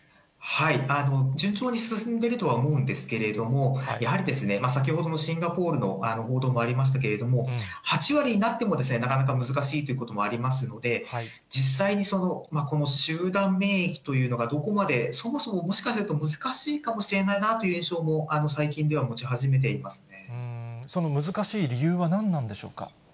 順調に進んでるとは思うんですけれども、やはり先ほどのシンガポールの報道もありましたけれども、８割になってもなかなか難しいということもありますので、実際に集団免疫というのがどこまで、そもそももしかして難しいかもしれないなという印象も最近では持その難しい理由は何なんでしょうか。